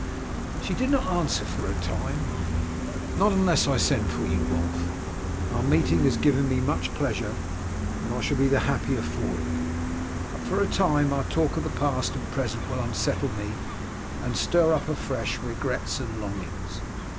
She did not answer for a time. "Not unless I send for you, Wulf. Our meeting has given me much pleasure, and I shall be the happier for it, but for a time our talk of the past and present will unsettle me and stir up afresh regrets and longings.